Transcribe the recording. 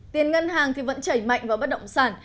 tiền ngân hàng vẫn chảy mạnh vào bất động sản